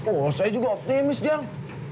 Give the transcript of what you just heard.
oh saya juga optimis dia